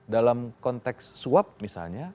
dalam konteks swap misalnya